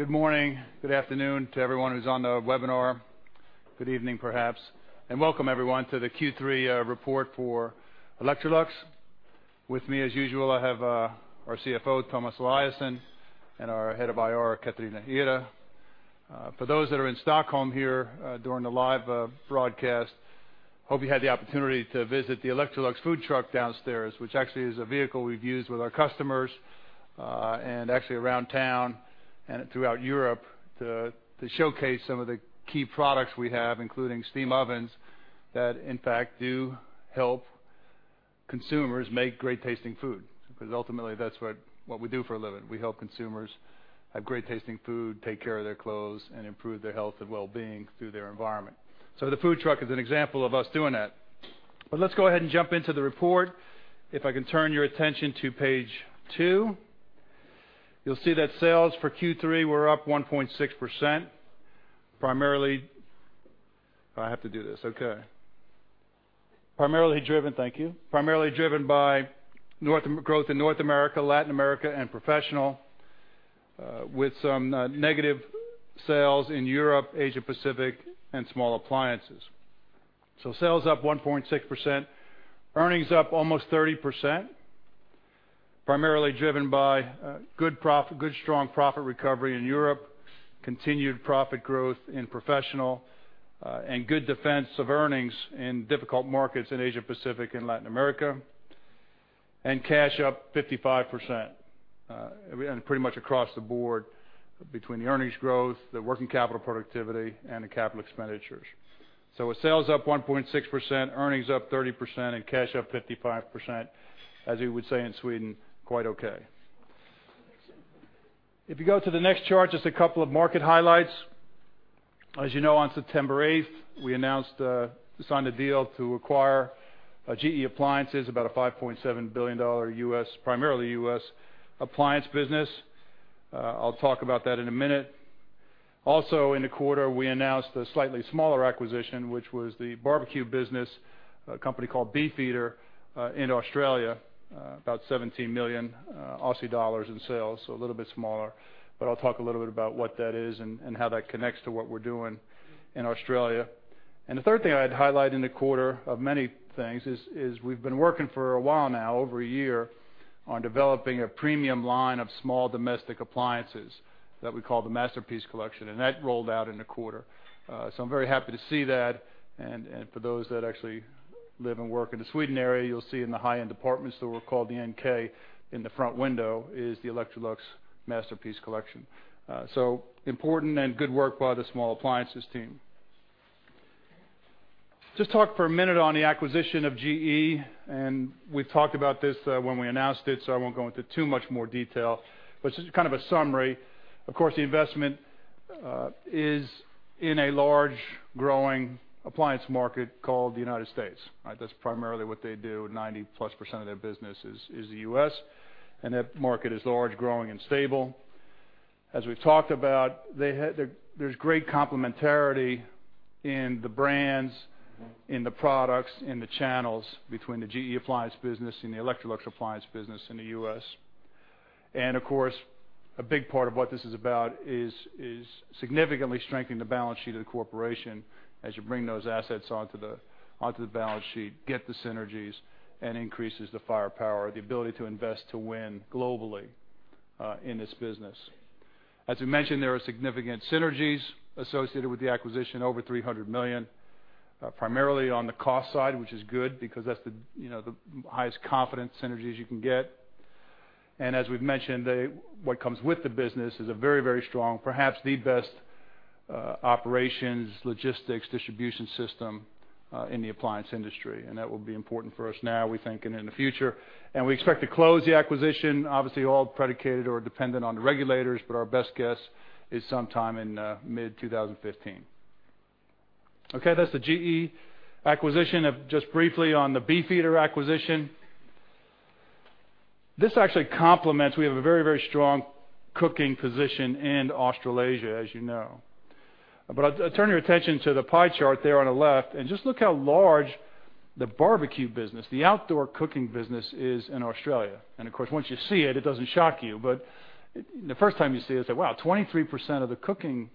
Good morning, good afternoon to everyone who's on the webinar. Good evening, perhaps, and welcome everyone to the Q3 report for Electrolux. With me, as usual, I have our CFO, Tomas Eliasson, and our Head of IR, Catarina Ihre. For those that are in Stockholm here, during the live broadcast, hope you had the opportunity to visit the Electrolux food truck downstairs, which actually is a vehicle we've used with our customers, and actually around town and throughout Europe to showcase some of the key products we have, including steam ovens, that, in fact, do help consumers make great-tasting food. Ultimately, that's what we do for a living. We help consumers have great-tasting food, take care of their clothes, and improve their health and well-being through their environment. The food truck is an example of us doing that. Let's go ahead and jump into the report. If I can turn your attention to page two, you'll see that sales for Q3 were up 1.6%. Primarily driven by growth in North America, Latin America, and professional, with some negative sales in Europe, Asia Pacific, and small appliances. Sales up 1.6%. Earnings up almost 30%, primarily driven by good profit, strong profit recovery in Europe, continued profit growth in professional, and good defense of earnings in difficult markets in Asia Pacific and Latin America, and cash up 55%, and pretty much across the board between the earnings growth, the working capital productivity, and the CapEx. With sales up 1.6%, earnings up 30%, and cash up 55%, as we would say in Sweden, quite okay. If you go to the next chart, just a couple of market highlights. As you know, on September 8th, we announced, signed a deal to acquire GE Appliances, about a $5.7 billion U.S., primarily U.S. appliance business. I'll talk about that in a minute. Also in the quarter, we announced a slightly smaller acquisition, which was the barbecue business, a company called BeefEater, in Australia, about 17 million Aussie dollars in sales, so a little bit smaller. I'll talk a little bit about what that is and how that connects to what we're doing in Australia. The third thing I'd highlight in the quarter, of many things, is we've been working for a while now, over a year, on developing a premium line of small domestic appliances that we call the Masterpiece Collection, and that rolled out in the quarter. So I'm very happy to see that, and for those that actually live and work in the Sweden area, you'll see in the high-end department store called the NK, in the front window is the Electrolux Masterpiece Collection. So important and good work by the small appliances team. Just talk for a minute on the acquisition of GE, and we've talked about this when we announced it, so I won't go into too much more detail, but just kind of a summary. Of course, the investment is in a large, growing appliance market called the United States. That's primarily what they do. 90%+ of their business is the U.S. That market is large, growing, and stable. As we've talked about, there's great complementarity in the brands, in the products, in the channels between the GE Appliances business and the Electrolux appliance business in the U.S. Of course, a big part of what this is about is significantly strengthening the balance sheet of the corporation as you bring those assets onto the balance sheet, get the synergies, and increases the firepower, the ability to invest to win globally in this business. As we mentioned, there are significant synergies associated with the acquisition, over $300 million, primarily on the cost side, which is good because that's the, you know, the highest confidence synergies you can get. As we've mentioned, what comes with the business is a very, very strong, perhaps the best operations, logistics, distribution system in the appliance industry, and that will be important for us now, we think, and in the future. We expect to close the acquisition, obviously, all predicated or dependent on the regulators, but our best guess is sometime in mid-2015. Okay, that's the GE acquisition. Just briefly on the BeefEater acquisition, this actually complements. We have a very, very strong cooking position in Australasia, as you know. I'll turn your attention to the pie chart there on the left, and just look how large the barbecue business, the outdoor cooking business is in Australia. Of course, once you see it doesn't shock you, but the first time you see it's like, wow, 23% of the cooking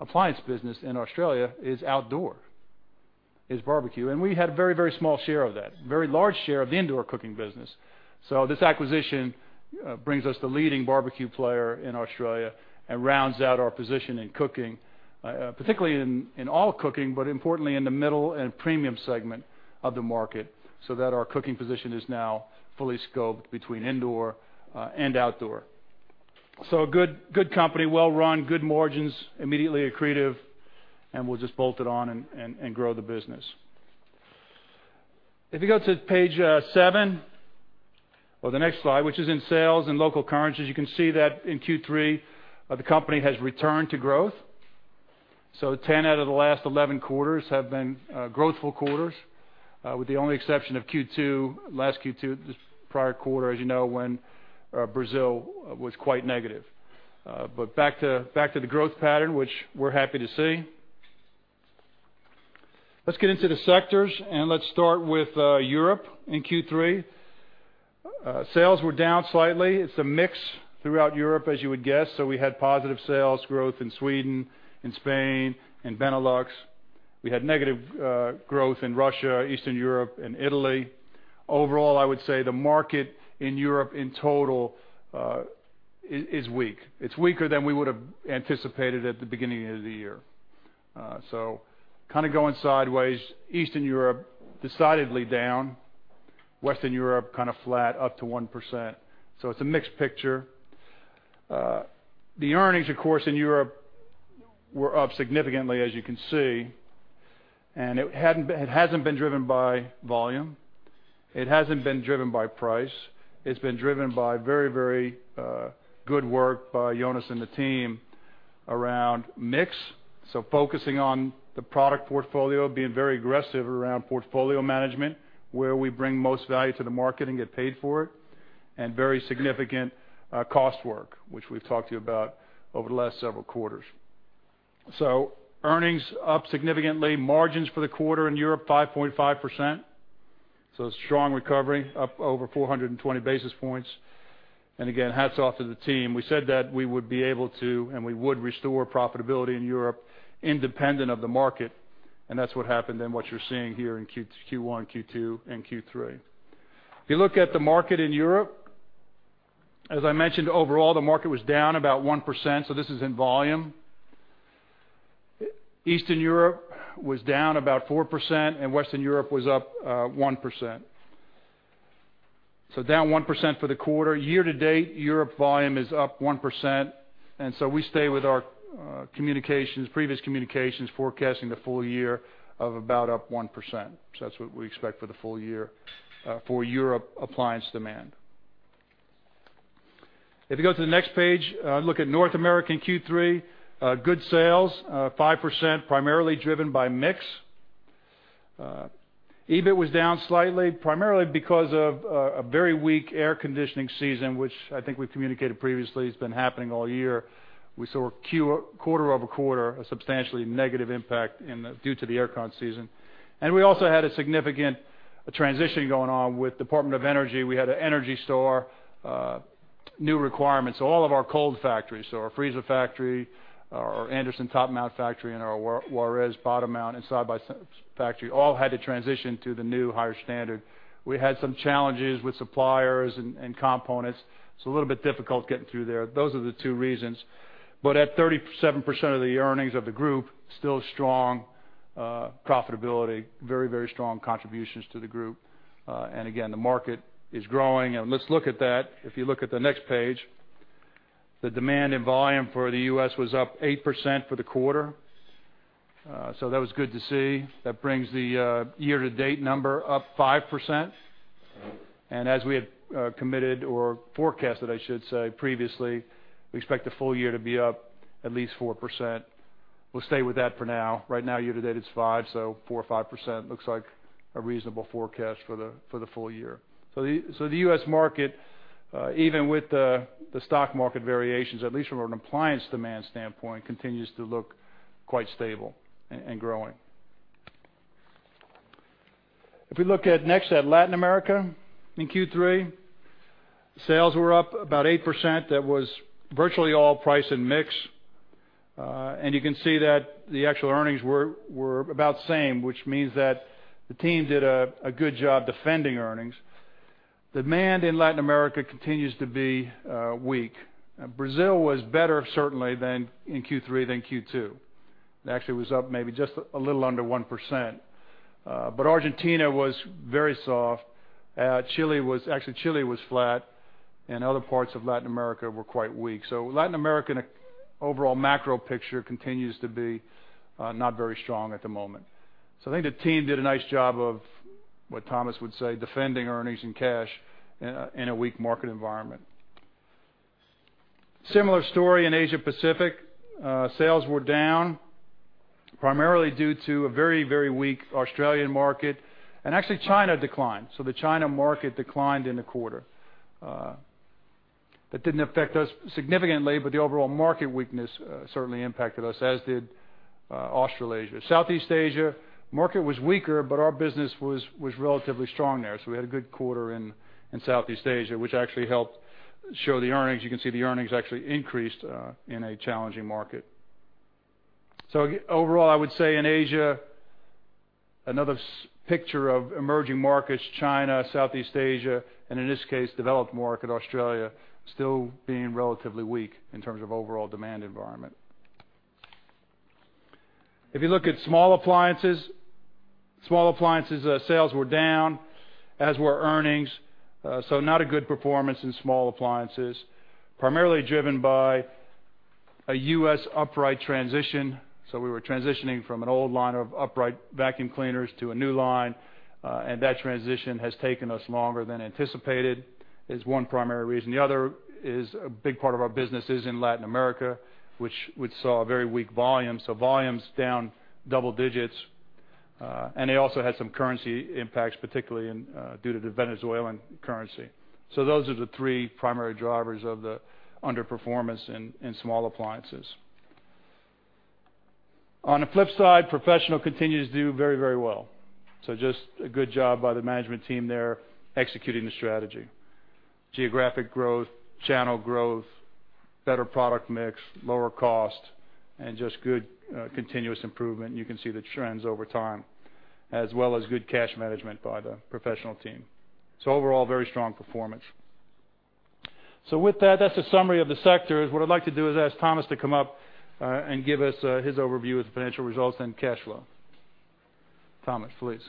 appliance business in Australia is outdoor, is barbecue. We had a very small share of that. Very large share of the indoor cooking business. This acquisition brings us the leading barbecue player in Australia and rounds out our position in cooking, particularly in all cooking, but importantly in the middle and premium segment of the market, so that our cooking position is now fully scoped between indoor and outdoor. A good company, well-run, good margins, immediately accretive, and we'll just bolt it on and grow the business. If you go to page seven, or the next slide, which is in sales and local currencies, you can see that in Q3, the company has returned to growth. 10 out of the last 11 quarters have been growthful quarters, with the only exception of Q2, last Q2, this prior quarter, as you know, when Brazil was quite negative. Back to the growth pattern, which we're happy to see. Let's get into the sectors, and let's start with Europe. In Q3, sales were down slightly. It's a mix throughout Europe, as you would guess. We had positive sales growth in Sweden, in Spain, in Benelux. We had negative growth in Russia, Eastern Europe and Italy. Overall, I would say the market in Europe, in total, is weak. It's weaker than we would have anticipated at the beginning of the year. Kind of going sideways. Eastern Europe, decidedly down, Western Europe, kind of flat, up to 1%. It's a mixed picture. The earnings, of course, in Europe were up significantly, as you can see, it hasn't been driven by volume. It hasn't been driven by price. It's been driven by very good work by Jonas and the team around mix. Focusing on the product portfolio, being very aggressive around portfolio management, where we bring most value to the market and get paid for it, and very significant cost work, which we've talked to you about over the last several quarters. Earnings up significantly. Margins for the quarter in Europe, 5.5%. Strong recovery, up over 420 basis points. Again, hats off to the team. We said that we would be able to, and we would restore profitability in Europe independent of the market, and that's what happened in what you're seeing here in Q1, Q2, and Q3. If you look at the market in Europe, as I mentioned, overall, the market was down about 1%, so this is in volume. Eastern Europe was down about 4%, and Western Europe was up 1%. Down 1% for the quarter. Year-to-date, Europe volume is up 1%, we stay with our communications, previous communications, forecasting the full year of about up 1%. That's what we expect for the full year for Europe appliance demand. If you go to the next page, look at North American Q3. Good sales, 5%, primarily driven by mix. EBIT was down slightly, primarily because of a very weak air conditioning season, which I think we communicated previously, it's been happening all year. We saw a quarter over quarter, a substantially negative impact due to the air con season. We also had a significant transition going on with Department of Energy. We had an energy store, new requirements. So all of our cold factories, so our freezer factory, our Anderson top mount factory, and our Juarez bottom mount and side-by factory, all had to transition to the new, higher standard. We had some challenges with suppliers and components. It's a little bit difficult getting through there. Those are the two reasons. At 37% of the earnings of the group, still strong profitability, very strong contributions to the group. Again, the market is growing. Let's look at that. If you look at the next page, the demand in volume for the U.S. was up 8% for the quarter, so that was good to see. That brings the year-to-date number up 5%. As we had committed, or forecasted, I should say, previously, we expect the full year to be up at least 4%. We'll stay with that for now. Right now, year-to-date, it's 5%, so 4% or 5% looks like a reasonable forecast for the full year. The U.S. market, even with the stock market variations, at least from an appliance demand standpoint, continues to look quite stable and growing. If we look at, next, at Latin America in Q3, sales were up about 8%. That was virtually all price and mix. You can see that the actual earnings were about the same, which means that the team did a good job defending earnings. Demand in Latin America continues to be weak. Brazil was better, certainly, than in Q3 than Q2. It actually was up maybe just a little under 1%. Argentina was very soft. Chile was actually, Chile was flat, and other parts of Latin America were quite weak. Latin America in an overall macro picture continues to be not very strong at the moment. I think the team did a nice job of, what Tomas would say, defending earnings and cash in a weak market environment. Similar story in Asia Pacific. Sales were down, primarily due to a very weak Australian market. Actually, China declined, the China market declined in the quarter. That didn't affect us significantly, but the overall market weakness certainly impacted us, as did Australasia. Southeast Asia, market was weaker, but our business was relatively strong there. We had a good quarter in Southeast Asia, which actually helped show the earnings. You can see the earnings actually increased in a challenging market. Overall, I would say in Asia, another picture of emerging markets, China, Southeast Asia, and in this case, developed market, Australia, still being relatively weak in terms of overall demand environment. If you look at small appliances, sales were down, as were earnings, so not a good performance in small appliances, primarily driven by a U.S. upright transition. We were transitioning from an old line of upright vacuum cleaners to a new line, and that transition has taken us longer than anticipated, is one primary reason. The other is a big part of our business is in Latin America, which we saw a very weak volume, so volume's down double-digits, and it also had some currency impacts, particularly due to the Venezuelan currency. Those are the three primary drivers of the underperformance in small appliances. On the flip side, Professional continues to do very, very well. Just a good job by the management team there, executing the strategy. Geographic growth, channel growth, better product mix, lower cost, and just good continuous improvement. You can see the trends over time, as well as good cash management by the professional team. Overall, very strong performance. With that's a summary of the sectors. What I'd like to do is ask Tomas to come up and give us his overview of the financial results and cash flow. Tomas, please.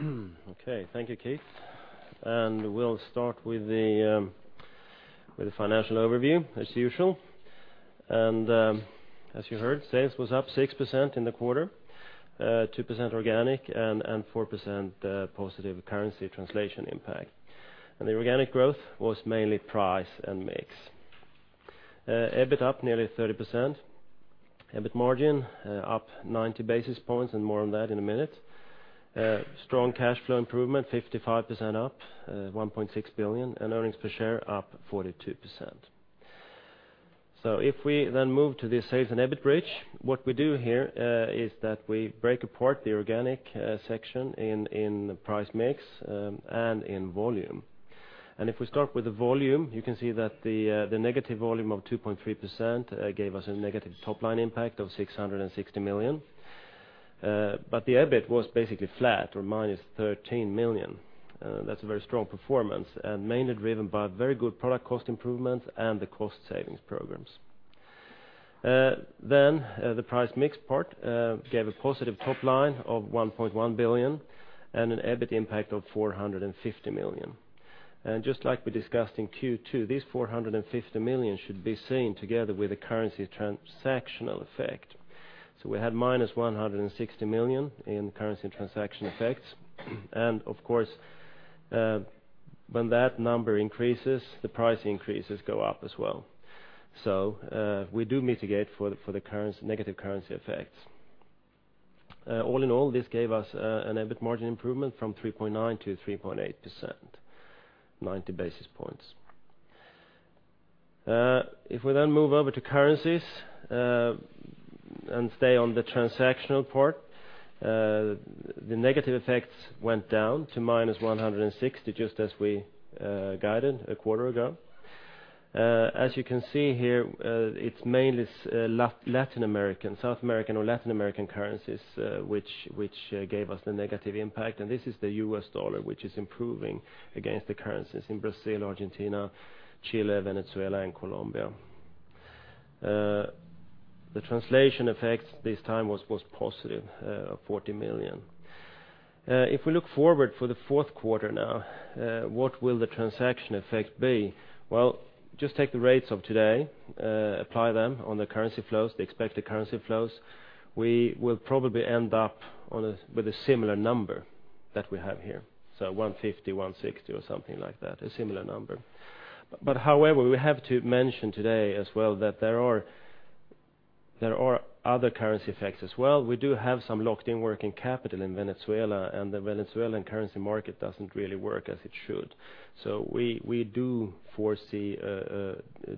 Okay, thank you, Keith. We'll start with the financial overview, as usual. As you heard, sales was up 6% in the quarter, 2% organic and 4% positive currency translation impact. The organic growth was mainly price and mix. EBIT up nearly 30%, EBIT margin up 90 basis points, and more on that in a minute. Strong cash flow improvement, 55% up, 1.6 billion, and earnings per share up 42%. If we then move to the sales and EBIT bridge, what we do here is that we break apart the organic section in the price mix and in volume. If we start with the volume, you can see that the negative volume of 2.3% gave us a negative top-line impact of 660 million. The EBIT was basically flat or -13 million. That's a very strong performance, and mainly driven by very good product cost improvements and the cost savings programs. The price mixed part gave a positive top line of 1.1 billion and an EBIT impact of 450 million. Just like we discussed in Q2, this 450 million should be seen together with a currency transactional effect. We had -160 million in currency transaction effects. Of course, when that number increases, the price increases go up as well. We do mitigate for the negative currency effects. All in all, this gave us an EBIT margin improvement from 3.9%-3.8%, 90 basis points. If we then move over to currencies and stay on the transactional part, the negative effects went down to -160 million, just as we guided a quarter ago. As you can see here, it's mainly Latin American, South American or Latin American currencies, which gave us the negative impact. This is the U.S. dollar, which is improving against the currencies in Brazil, Argentina, Chile, Venezuela, and Colombia. The translation effects this time was positive, of 40 million. If we look forward for the fourth quarter now, what will the transaction effect be? Just take the rates of today, apply them on the currency flows, the expected currency flows. We will probably end up with a similar number that we have here, so 150 million, 160 million, or something like that, a similar number. However, we have to mention today as well, that there are other currency effects as well. We do have some locked-in working capital in Venezuela, and the Venezuelan currency market doesn't really work as it should. We do foresee a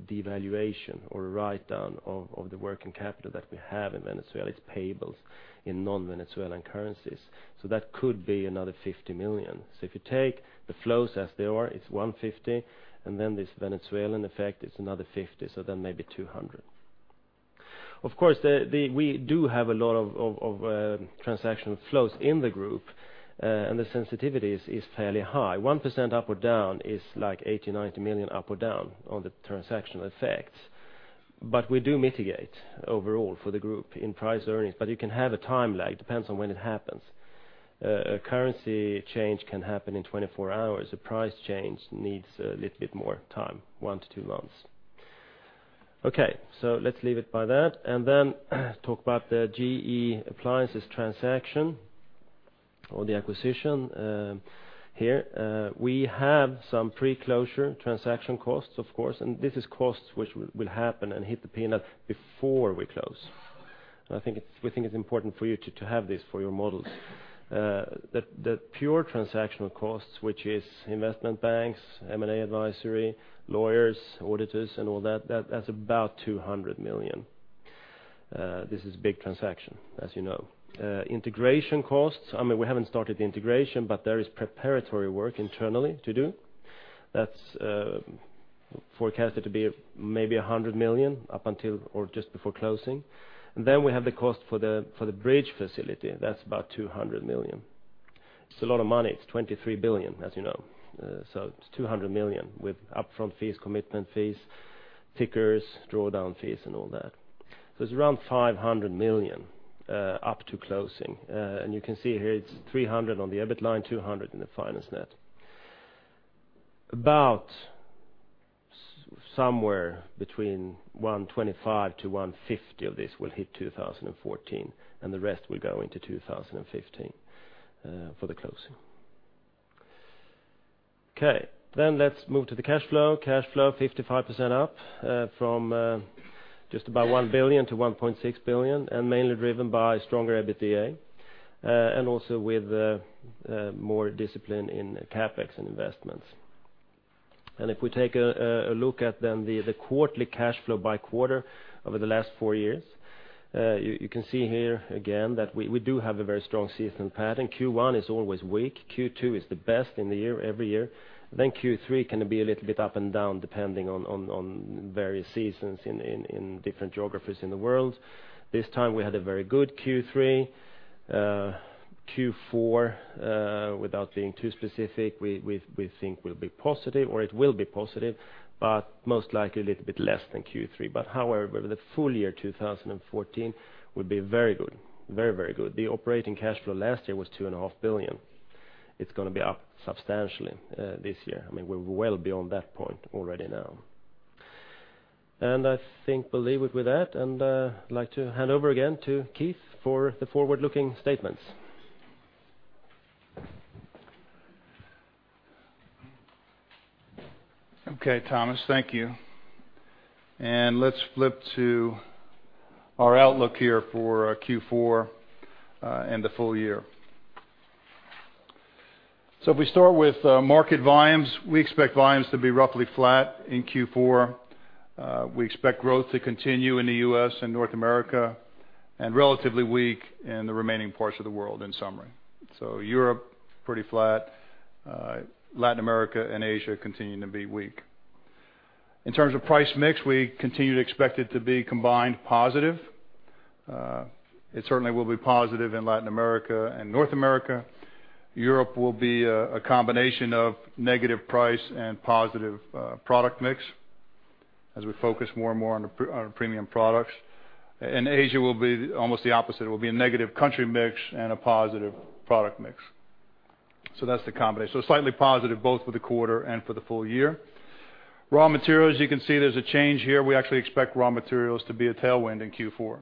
devaluation or a write-down of the working capital that we have in Venezuela. It's payables in non-Venezuelan currencies, so that could be another 50 million. If you take the flows as they are, it's 150 million, and then this Venezuelan effect, it's another 50 million, so then maybe 200 million. Of course, we do have a lot of transaction flows in the group, and the sensitivity is fairly high. 1% up or down is like 80 million-90 million up or down on the transactional effects. We do mitigate overall for the group in price earnings. You can have a time lag, depends on when it happens. A currency change can happen in 24 hours. A price change needs a little bit more time, 1-2 months. Let's leave it by that, then talk about the GE Appliances transaction or the acquisition here. We have some pre-closure transaction costs, of course, and this is costs which will happen and hit the P&L before we close. I think we think it's important for you to have this for your models. The pure transactional costs, which is investment banks, M&A advisory, lawyers, auditors, and all that's about 200 million. This is a big transaction, as you know. Integration costs, I mean, we haven't started the integration, but there is preparatory work internally to do. That's forecasted to be maybe 100 million up until or just before closing. We have the cost for the bridge facility, that's about 200 million. It's a lot of money. It's 23 billion, as you know. It's 200 million with upfront fees, commitment fees, tickers, drawdown fees, and all that. It's around 500 million up to closing. You can see here, it's 300 million on the EBIT line, 200 million in the finance net. About somewhere between 125 million-150 million of this will hit 2014, and the rest will go into 2015, for the closing. Okay, then let's move to the cash flow. Cash flow, 55% up, from just about 1 billion-1.6 billion, and mainly driven by stronger EBITDA, and also with more discipline in CapEx and investments. If we take a look at then the quarterly cash flow by quarter over the last four years, you can see here again that we do have a very strong seasonal pattern. Q1 is always weak, Q2 is the best in the year, every year. Then Q3 can be a little bit up and down, depending on various seasons in different geographies in the world. This time, we had a very good Q3. Q4, without being too specific, we think will be positive, or it will be positive, but most likely a little bit less than Q3. However, the full year 2014 will be very good. Very, very good. The operating cash flow last year was 2.5 billion. It's gonna be up substantially this year. I mean, we're well beyond that point already now. I think we'll leave it with that, and I'd like to hand over again to Keith for the forward-looking statements. Okay, Tomas, thank you. Let's flip to our outlook here for Q4 and the full year. If we start with market volumes, we expect volumes to be roughly flat in Q4. We expect growth to continue in the U.S. and North America, and relatively weak in the remaining parts of the world, in summary. Europe, pretty flat. Latin America and Asia continuing to be weak. In terms of price mix, we continue to expect it to be combined positive. It certainly will be positive in Latin America and North America. Europe will be a combination of negative price and positive product mix as we focus more and more on premium products. Asia will be almost the opposite. It will be a negative country mix and a positive product mix. That's the combination. Slightly positive, both for the quarter and for the full year. Raw materials, you can see there's a change here. We actually expect raw materials to be a tailwind in Q4.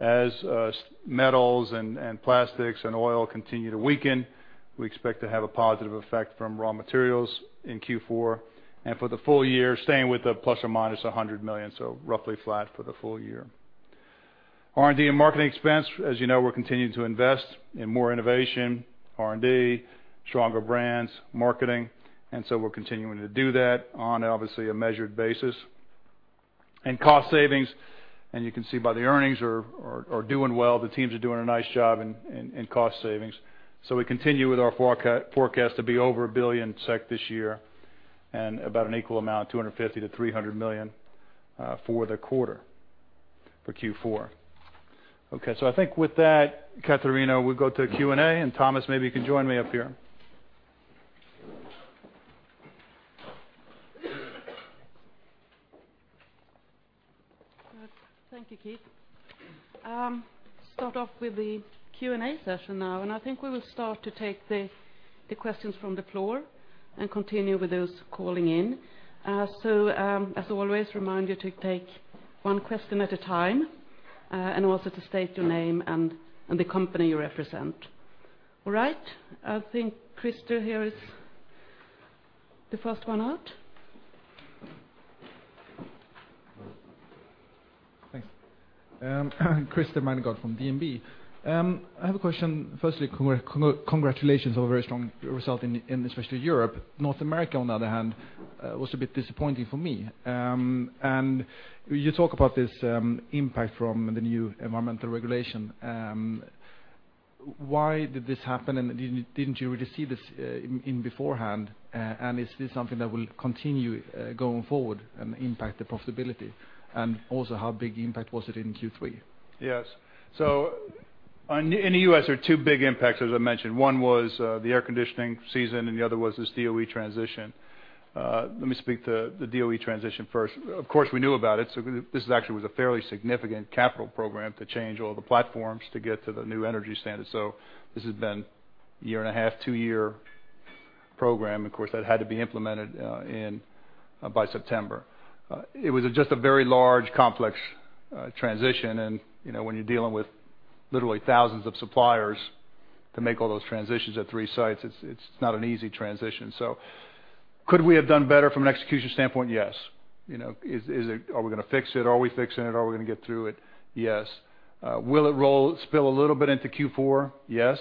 As metals and plastics and oil continue to weaken, we expect to have a positive effect from raw materials in Q4, and for the full year, staying with the ±100 million, so roughly flat for the full year. R&D and marketing expense, as you know, we're continuing to invest in more innovation, R&D, stronger brands, marketing, and so we're continuing to do that on, obviously, a measured basis. Cost savings, and you can see by the earnings are doing well, the teams are doing a nice job in cost savings. We continue with our forecast to be over 1 billion SEK this year, and about an equal amount, 250 million-300 million, for the quarter, for Q4. I think with that, Catarina, we'll go to Q&A, and Tomas, maybe you can join me up here. Thank you, Keith. Start off with the Q&A session now. I think we will start to take the questions from the floor and continue with those calling in. As always, remind you to take one question at a time and also to state your name and the company you represent. All right, I think Christer here is the first one out. Thanks. Christer Nyberg from DNB. I have a question. Firstly, congratulations on a very strong result in especially Europe. North America, on the other hand, was a bit disappointing for me. You talk about this impact from the new environmental regulation. Why did this happen, and didn't you already see this in beforehand? Is this something that will continue going forward and impact the profitability? Also, how big impact was it in Q3? Yes. On, in the U.S., there are two big impacts, as I mentioned. One was, the air conditioning season, and the other was this DOE transition. Let me speak to the DOE transition first. Of course, we knew about it, so this actually was a fairly significant capital program to change all the platforms to get to the new energy standard. This has been a year and a half, two-year program. Of course, that had to be implemented, in, by September. It was just a very large, complex, transition. You know, when you're dealing with literally thousands of suppliers to make all those transitions at three sites, it's not an easy transition. Could we have done better from an execution standpoint? Yes. You know, is it... Are we gonna fix it? Are we fixing it? Are we gonna get through it? Yes. Will it roll, spill a little bit into Q4? Yes.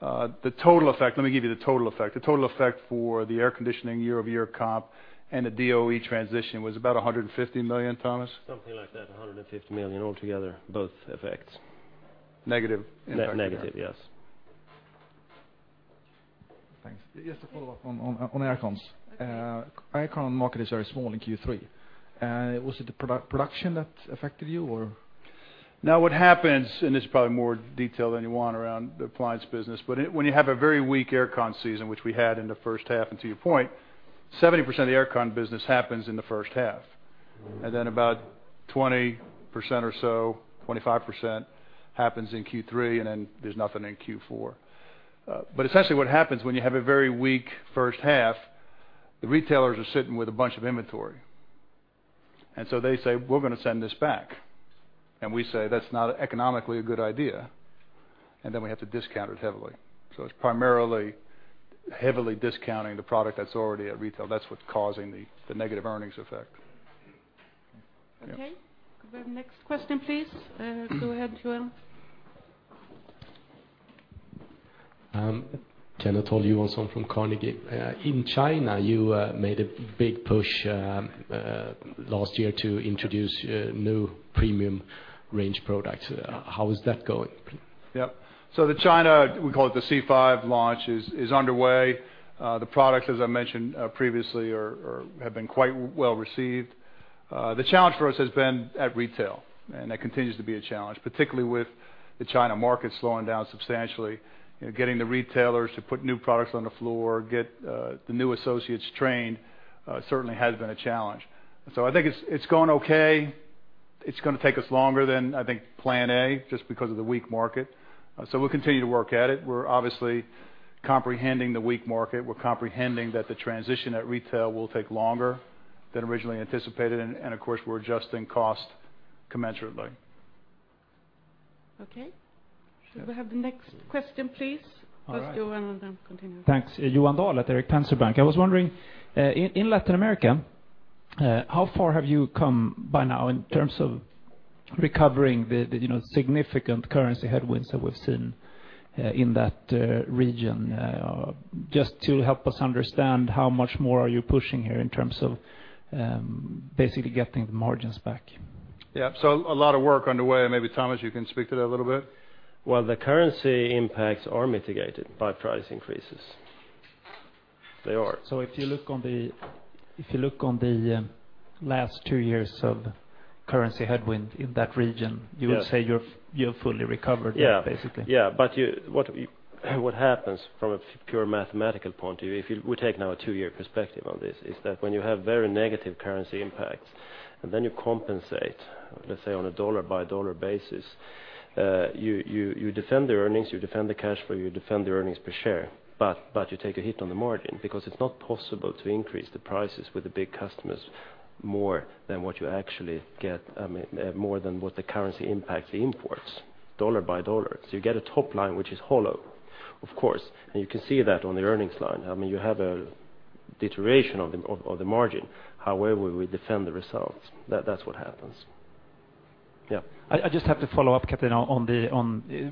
The total effect, let me give you the total effect. The total effect for the air conditioning year-over-year comp and the DOE transition was about 150 million, Tomas? Something like that, 150 million altogether, both effects. Negative impact. Negative, yes. Thanks. Just to follow up on air cons. Air con market is very small in Q3. Was it the production that affected you, or? What happens, this is probably more detail than you want around the appliance business, but when you have a very weak air con season, which we had in the first half, and to your point, 70% of the air con business happens in the first half. Then about 20% or so, 25%, happens in Q3, and then there's nothing in Q4. Essentially, what happens when you have a very weak first half, the retailers are sitting with a bunch of inventory. They say: We're gonna send this back. We say: That's not economically a good idea, and then we have to discount it heavily. It's primarily heavily discounting the product that's already at retail. That's what's causing the negative earnings effect. Okay. The next question, please. Go ahead, Johan. Kenneth Johansson also from Carnegie, in China, you made a big push last year to introduce new premium range products. How is that going? Yep. The China, we call it the C5 launch, is underway. The products, as I mentioned, previously, have been quite well received. The challenge for us has been at retail, and that continues to be a challenge, particularly with the China market slowing down substantially. You know, getting the retailers to put new products on the floor, get the new associates trained, certainly has been a challenge. I think it's going okay. It's gonna take us longer than, I think, plan A, just because of the weak market. We'll continue to work at it. We're obviously comprehending the weak market. We're comprehending that the transition at retail will take longer than originally anticipated, and, of course, we're adjusting cost commensurately. Okay. Should we have the next question, please? All right. Let's do one, and then continue. Thanks. Johan Dahl at Erik Penser Bank. I was wondering, in Latin America, how far have you come by now in terms of recovering the, you know, significant currency headwinds that we've seen in that region? Just to help us understand, how much more are you pushing here in terms of basically getting the margins back? Yeah. A lot of work underway, and maybe, Tomas, you can speak to that a little bit. Well, the currency impacts are mitigated by price increases. They are. If you look on the, last 2 years of currency headwind in that region. Yeah You would say you have fully recovered that, basically? Yeah, but what happens from a pure mathematical point of view, if we take now a two-year perspective on this, is that when you have very negative currency impacts, and then you compensate, let's say, on a dollar-by-dollar basis, you defend the earnings, you defend the cash flow, you defend the earnings per share, but you take a hit on the margin. Because it's not possible to increase the prices with the big customers more than what you actually get, I mean, more than what the currency impacts the imports, dollar by dollar. You get a top line, which is hollow. Of course, you can see that on the earnings line. I mean, you have a deterioration of the margin. However, we defend the results. That's what happens. Yeah. I just have to follow up, Catarina.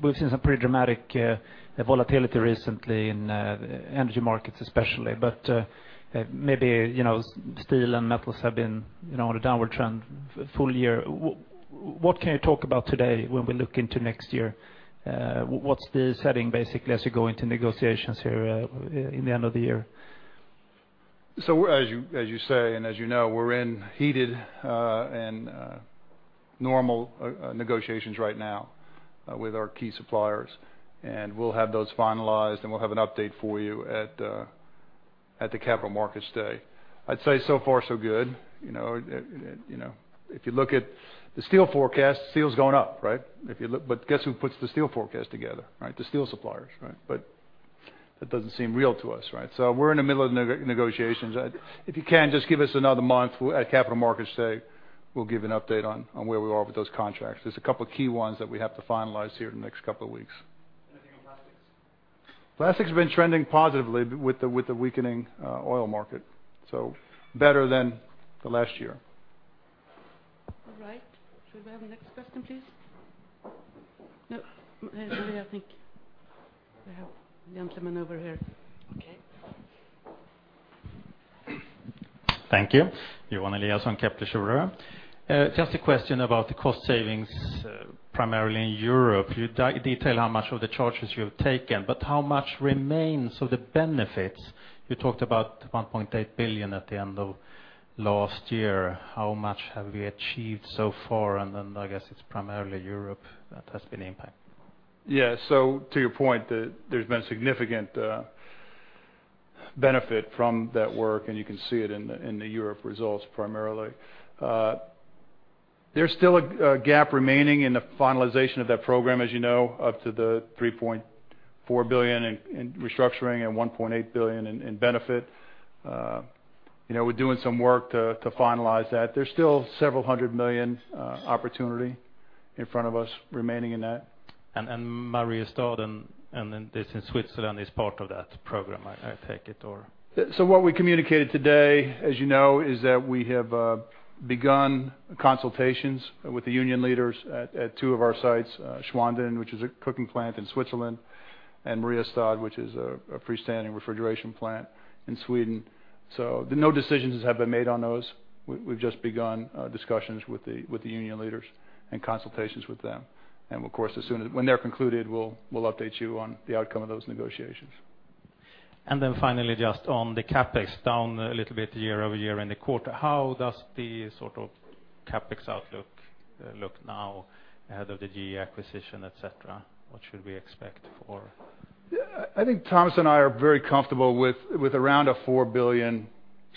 We've seen some pretty dramatic volatility recently in energy markets, especially, but maybe, you know, steel and metals have been, you know, on a downward trend full year. What can you talk about today when we look into next year? What's the setting, basically, as you go into negotiations here, in the end of the year? As you, as you say, and as you know, we're in heated and normal negotiations right now with our key suppliers. We'll have those finalized, and we'll have an update for you at the Capital Markets Day. I'd say so far, so good. You know, you know, if you look at the steel forecast, steel's going up, right? If you look, guess who puts the steel forecast together, right? The steel suppliers, right? That doesn't seem real to us, right? We're in the middle of negotiations. If you can, just give us another month. At Capital Markets Day, we'll give an update on where we are with those contracts. There's a couple of key ones that we have to finalize here in the next couple of weeks. Anything on plastics? Plastic's been trending positively with the weakening, oil market, so better than the last year. All right. Should we have the next question, please? No, I think we have the gentleman over here. Okay. Thank you. Johan Eliason, Kepler Cheuvreux. Just a question about the cost savings, primarily in Europe. You detail how much of the charges you have taken, but how much remains of the benefits? You talked about 1.8 billion at the end of last year. How much have we achieved so far? I guess it's primarily Europe that has been impacted. To your point, there's been significant benefit from that work, and you can see it in the Europe results, primarily. There's still a gap remaining in the finalization of that program, as you know, up to the 3.4 billion in restructuring and 1.8 billion in benefit. You know, we're doing some work to finalize that. There's still several 100 million opportunity in front of us remaining in that. And Mariestad and then this in Switzerland is part of that program, I take it, or? What we communicated today, as you know, is that we have begun consultations with the union leaders at two of our sites, Schwanden, which is a cooking plant in Switzerland, and Mariestad, which is a freestanding refrigeration plant in Sweden. The no decisions have been made on those. We've just begun discussions with the union leaders and consultations with them. Of course, when they're concluded, we'll update you on the outcome of those negotiations. Finally, just on the CapEx, down a little bit year-over-year in the quarter. How does the sort of CapEx outlook look now ahead of the GE acquisition, et cetera? What should we expect for? Yeah, I think Tomas and I are very comfortable with around 4 billion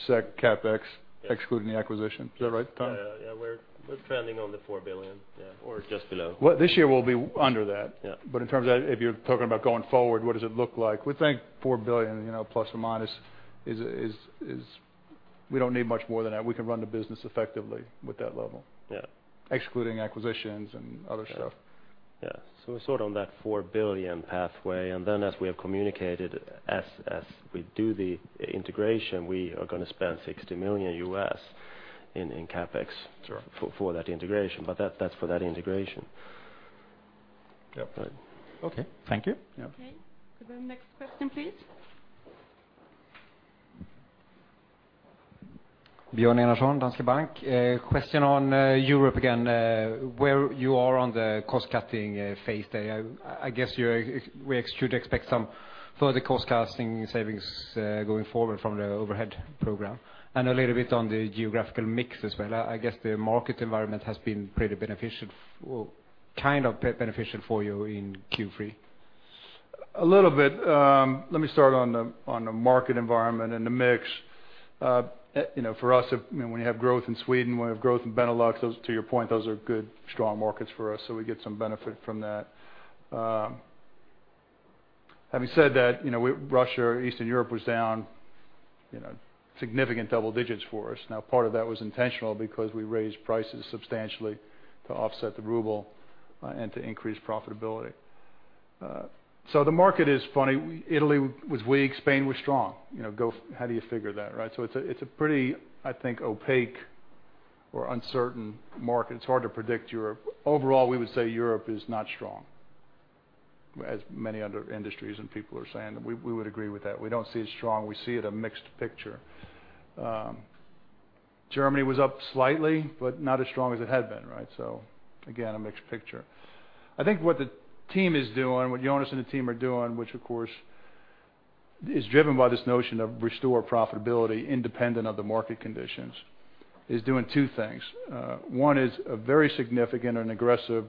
SEK CapEx. Yes Excluding the acquisition. Is that right, Tomas? Yeah, yeah, we're trending on the 4 billion, yeah, or just below. Well, this year we'll be under that. Yeah. In terms of if you're talking about going forward, what does it look like? We think 4 billion, you know, plus or minus is. We don't need much more than that. We can run the business effectively with that level. Yeah. Excluding acquisitions and other stuff. Yeah. We're sort of on that 4 billion pathway, as we have communicated, as we do the integration, we are gonna spend $60 million in CapEx. Sure For that integration, but that's for that integration. Yep. Okay, thank you. Yeah. Okay. Next question, please. Björn Enarson, Danske Bank. Question on Europe again. Where you are on the cost-cutting phase there? I guess we should expect some further cost-cutting savings going forward from the overhead program. A little bit on the geographical mix as well. I guess the market environment has been pretty beneficial or kind of beneficial for you in Q3. A little bit. Let me start on the market environment and the mix. You know, for us, I mean, when you have growth in Sweden, when we have growth in Benelux, those, to your point, those are good, strong markets for us, so we get some benefit from that. Having said that, you know, Russia or Eastern Europe was down, you know, significant double-digit for us. Part of that was intentional because we raised prices substantially to offset the ruble and to increase profitability. The market is funny. Italy was weak, Spain was strong. You know, how do you figure that, right? It's a pretty, I think, opaque or uncertain market. It's hard to predict Europe. Overall, we would say Europe is not strong, as many other industries and people are saying, we would agree with that. We don't see it strong. We see it a mixed picture. Germany was up slightly, but not as strong as it had been, right? Again, a mixed picture. I think what the team is doing, what Jonas and the team are doing, which, of course, is driven by this notion of restore profitability independent of the market conditions, is doing two things. One is a very significant and aggressive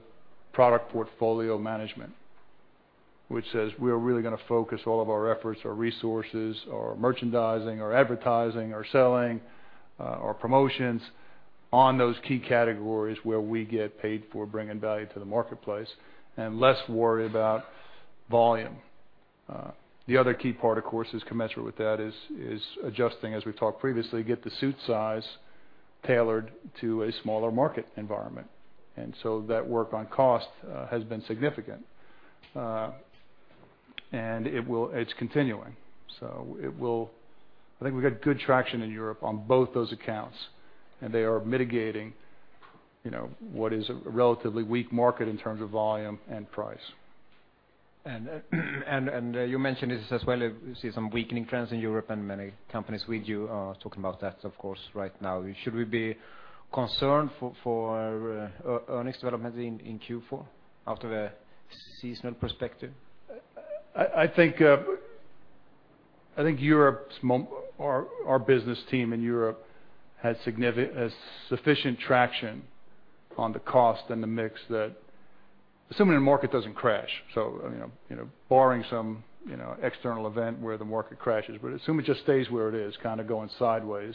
product portfolio management, which says we are really gonna focus all of our efforts, our resources, our merchandising, our advertising, our selling, our promotions on those key categories where we get paid for bringing value to the marketplace and less worried about volume. The other key part, of course, is commensurate with that, is adjusting, as we talked previously, get the suit size tailored to a smaller market environment. That work on cost has been significant, and it's continuing. I think we've got good traction in Europe on both those accounts, and they are mitigating, you know, what is a relatively weak market in terms of volume and price. You mentioned this as well, you see some weakening trends in Europe and many companies with you are talking about that, of course, right now. Should we be concerned for earnings development in Q4 out of a seasonal perspective? I think Europe's or our business team in Europe has sufficient traction on the cost and the mix that assuming the market doesn't crash, so, you know, barring some, you know, external event where the market crashes, but assume it just stays where it is, kind of going sideways,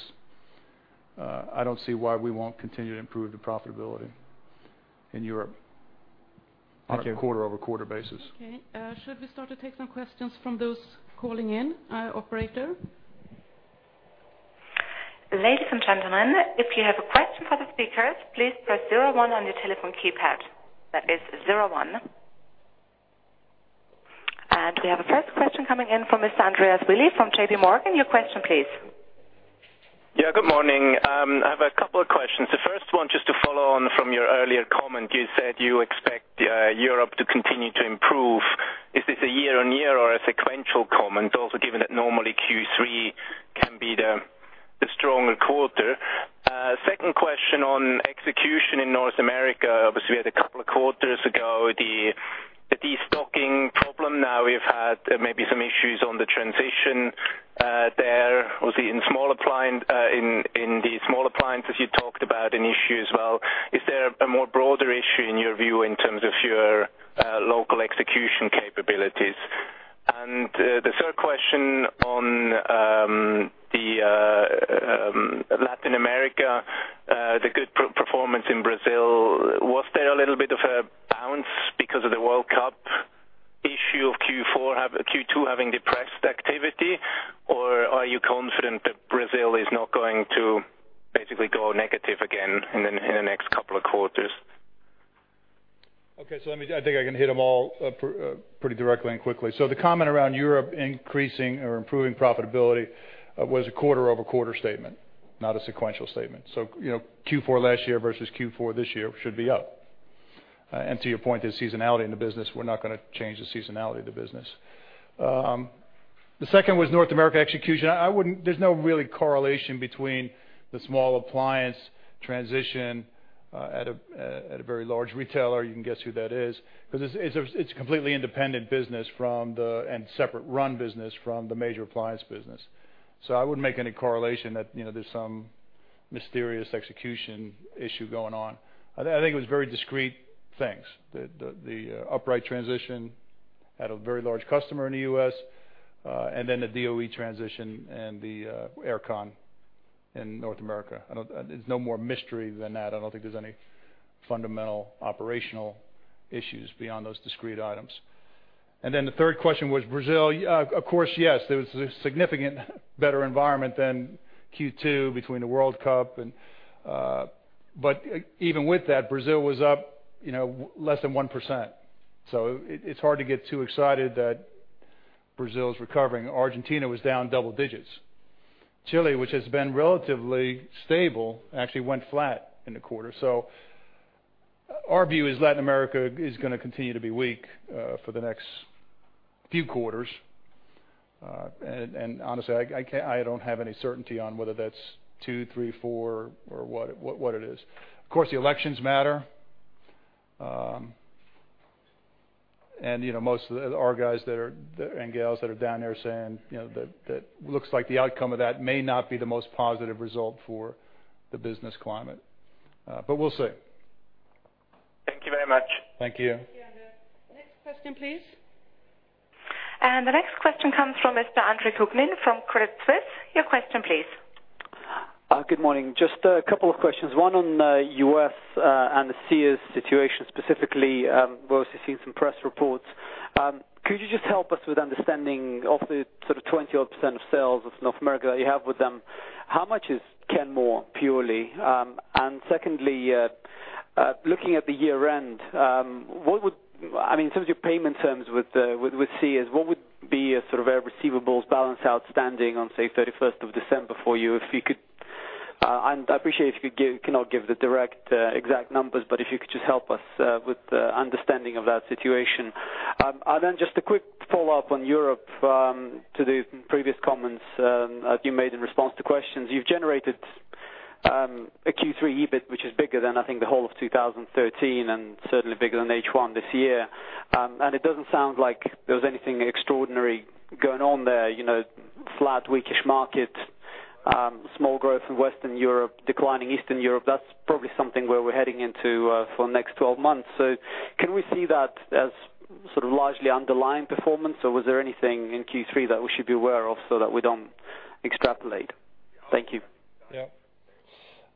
I don't see why we won't continue to improve the profitability in Europe. Thank you. On a quarter-over-quarter basis. Okay, should we start to take some questions from those calling in, operator? Ladies and gentlemen, if you have a question for the speakers, please press zero one on your telephone keypad. That is zero one. We have a first question coming in from Mr. Andreas Willi from JPMorgan. Your question, please. Yeah, good morning. I have couple of questions. The first one, just to follow on from your earlier comment, you said you expect Europe to continue to improve. Is this a year-on-year or a sequential comment? Also, given that normally Q3 can be the stronger quarter. Second question on execution in North America. Obviously, we had couple quarters ago, the destocking problem. Now we've had maybe some issues on the transition. There was in the small appliances, you talked about an issue as well. Is there a more broader issue in your view in terms of your local execution capabilities? The third question on Latin America, the good performance in Brazil, was there a little bit of a bounce because of the World Cup issue of Q2 having depressed activity? Or are you confident that Brazil is not going to basically go negative again in the next couple of quarters? I think I can hit them all pretty directly and quickly. The comment around Europe increasing or improving profitability was a quarter-over-quarter statement, not a sequential statement. You know, Q4 last year versus Q4 this year should be up. To your point, there's seasonality in the business. We're not gonna change the seasonality of the business. The second was North America execution. I wouldn't. There's no really correlation between the small appliance transition at a very large retailer. You can guess who that is, because it's a completely independent business and separate run business from the major appliance business. I wouldn't make any correlation that, you know, there's some mysterious execution issue going on. I think it was very discrete things. The upright transition at a very large customer in the U.S., then the DOE transition and the air con in North America. There's no more mystery than that. I don't think there's any fundamental operational issues beyond those discrete items. The third question was Brazil. Of course, yes, there was a significant better environment than Q2 between the World Cup and. Even with that, Brazil was up, you know, less than 1%. It's hard to get too excited that Brazil is recovering. Argentina was down double digits. Chile, which has been relatively stable, actually went flat in the quarter. Our view is Latin America is going to continue to be weak for the next few quarters. Honestly, I don't have any certainty on whether that's two, three, four, or what it is. Of course, the elections matter. You know, most of the our guys that are, and gals that are down there are saying, you know, that looks like the outcome of that may not be the most positive result for the business climate, but we'll see. Thank you very much. Thank you. Thank you. Next question, please. The next question comes from Mr. Andre Mocciola from Credit Suisse. Your question please. Good morning. Just a couple of questions, one on U.S. and the Sears situation, specifically, we're also seeing some press reports. Could you just help us with understanding of the sort of 20% odd of sales of North America that you have with them, how much is Kenmore purely? Secondly, looking at the year-end, I mean, in terms of your payment terms with Sears, what would be a sort of a receivables balance outstanding on, say, 31st of December for you? If you could, I appreciate if you cannot give the direct exact numbers, if you could just help us with understanding of that situation. Just a quick follow-up on Europe to the previous comments that you made in response to questions. You've generated, a Q3 EBIT, which is bigger than, I think, the whole of 2013, and certainly bigger than H1 this year. It doesn't sound like there was anything extraordinary going on there, you know, flat, weakish market, small growth in Western Europe, declining Eastern Europe. That's probably something where we're heading into, for the next 12 months. Can we see that as sort of largely underlying performance, or was there anything in Q3 that we should be aware of so that we don't extrapolate? Thank you.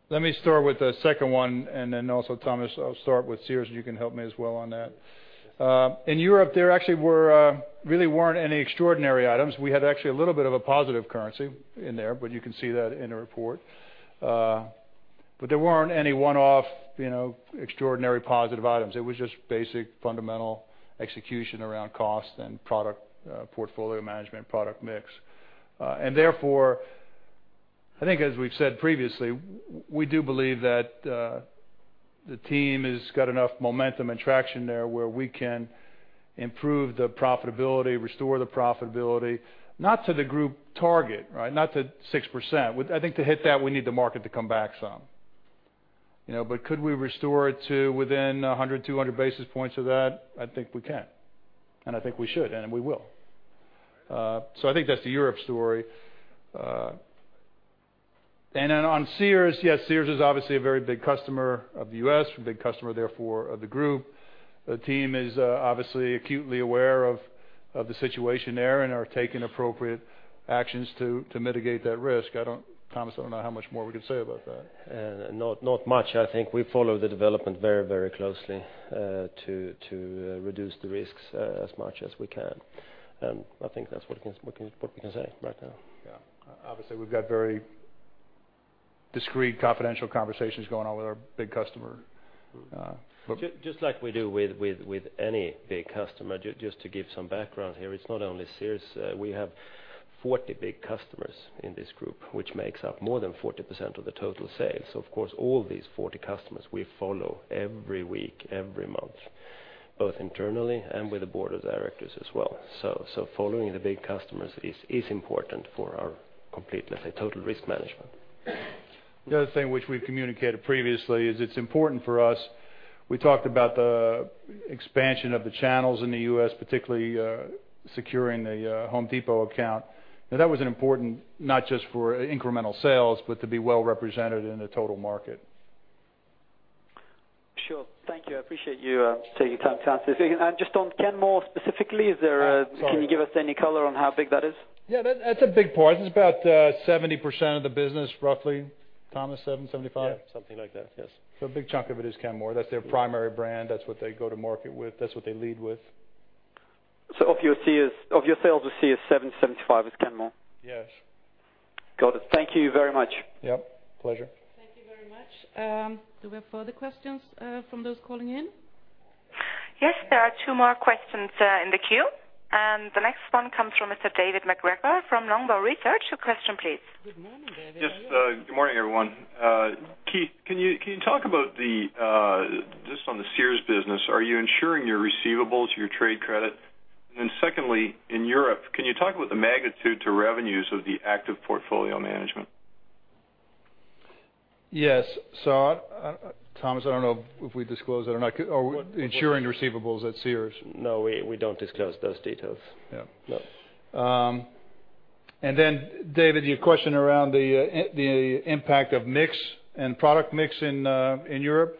Let me start with the second one, and then also, Tomas, I'll start with Sears, and you can help me as well on that. In Europe, there actually weren't any extraordinary items. We had actually a little bit of a positive currency in there, but you can see that in the report. There weren't any one-off, you know, extraordinary positive items. It was just basic, fundamental execution around cost and product portfolio management, product mix. Therefore, I think as we've said previously, we do believe that the team has got enough momentum and traction there where we can improve the profitability, restore the profitability, not to the group target, right? Not to 6%. I think to hit that, we need the market to come back some. You know, could we restore it to within 100, 200 basis points of that? I think we can, I think we should, and we will. I think that's the Europe story. On Sears, yes, Sears is obviously a very big customer of the U.S., a big customer, therefore, of the group. The team is obviously acutely aware of the situation there and are taking appropriate actions to mitigate that risk. Tomas, I don't know how much more we could say about that. Not much. I think we follow the development very closely, to reduce the risks, as much as we can. I think that's what we can say right now. Yeah. Obviously, we've got very discreet, confidential conversations going on with our big customer. Just like we do with, with any big customer. Just to give some background here, it's not only Sears. We have 40 big customers in this group, which makes up more than 40% of the total sales. Of course, all these 40 customers, we follow every week, every month, both internally and with the board of directors as well. Following the big customers is important for our complete, let's say, total risk management. The other thing which we've communicated previously is it's important for us. We talked about the expansion of the channels in the U.S., particularly, securing the The Home Depot account. That was important, not just for incremental sales, but to be well-represented in the total market. Sure. Thank you. I appreciate you taking time to answer. Just on Kenmore specifically, is there? Sorry. Can you give us any color on how big that is? Yeah, that's a big part. It's about 70% of the business, roughly. Tomas, 75%? Yeah, something like that. Yes. A big chunk of it is Kenmore. That's their primary brand. That's what they go to market with. That's what they lead with. Of your sales with Sears, 70%-75% is Kenmore? Yes. Got it. Thank you very much. Yep. Pleasure. Thank you very much. Do we have further questions from those calling in? Yes, there are two more questions, in the queue, and the next one comes from Mr. David MacGregor from Longbow Research. Your question, please. Good morning, David. Good morning, everyone. Keith, can you talk about just on the Sears business, are you ensuring your receivables, your trade credit? Secondly, in Europe, can you talk about the magnitude to revenues of the active portfolio management? Yes. Tomas, I don't know if we disclose that or not. Are we ensuring the receivables at Sears? No, we don't disclose those details. Yeah. No. David, your question around the impact of mix and product mix in Europe.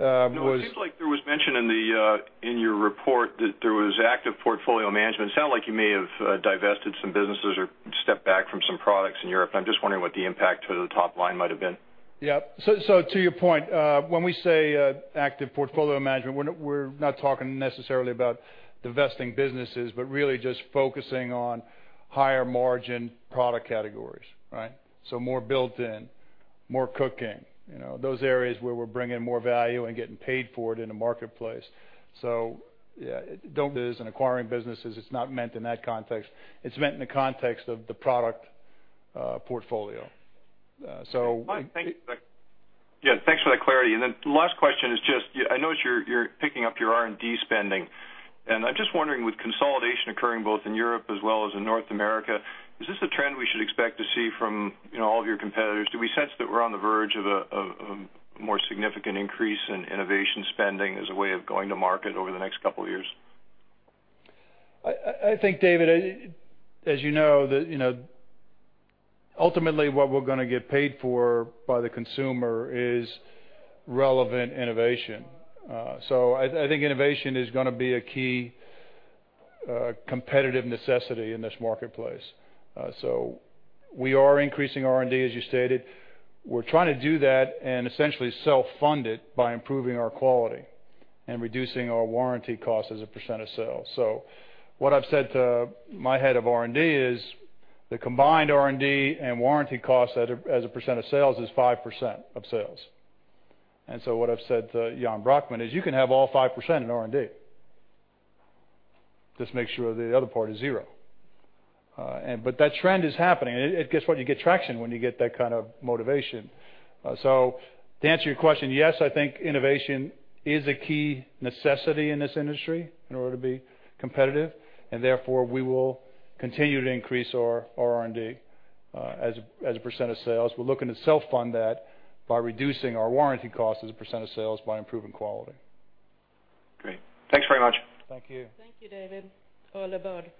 No, it seems like there was mention in the in your report that there was active portfolio management. Sound like you may have divested some businesses or stepped back from some products in Europe. I'm just wondering what the impact to the top line might have been? Yeah. To your point, when we say active portfolio management, we're not talking necessarily about divesting businesses, really just focusing on higher margin product categories, right? More built-in, more cooking, you know, those areas where we're bringing more value and getting paid for it in the marketplace. Yeah, is in acquiring businesses. It's not meant in that context. It's meant in the context of the product mix portfolio. Yeah, thanks for that clarity. Then last question is just, I notice you're picking up your R&D spending, and I'm just wondering, with consolidation occurring both in Europe as well as in North America, is this a trend we should expect to see from, you know, all of your competitors? Do we sense that we're on the verge of a more significant increase in innovation spending as a way of going to market over the next couple of years? I think, David, as you know, the, you know, ultimately, what we're gonna get paid for by the consumer is relevant innovation. I think innovation is gonna be a key competitive necessity in this marketplace. We are increasing R&D, as you stated. We're trying to do that and essentially self-fund it by improving our quality and reducing our warranty costs as a percent of sales. What I've said to my head of R&D is the combined R&D and warranty costs at a, as a percent of sales, is 5% of sales. What I've said to Jan Brockmann is, "You can have all 5% in R&D. Just make sure the other part is 0." That trend is happening. Guess what, you get traction when you get that kind of motivation. To answer your question, yes, I think innovation is a key necessity in this industry in order to be competitive, and therefore, we will continue to increase our R&D as a percent of sales. We're looking to self-fund that by reducing our warranty costs as a percent of sales by improving quality. Great. Thanks very much. Thank you. Thank you, David, all aboard.